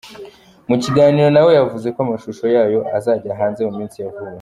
Mu kiganiro na we yavuze ko amashusho yayo azajya hanze mu minsi ya vuba.